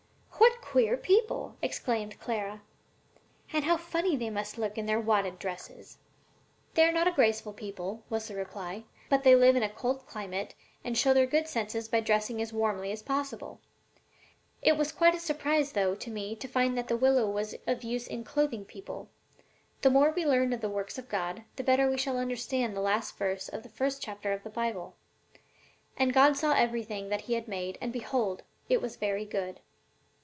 "What queer people!" exclaimed Clara. "And how funny they must look in their wadded dresses!" "They are not graceful people," was the reply, "but they live in a cold climate and show their good sense by dressing as warmly as possible. It was quite a surprise, though, to me to find that the willow was of use in clothing people. The more we learn of the works of God, the better we shall understand that last verse of the first chapter of the Bible: 'And God saw everything that he had made, and behold, it was very good.'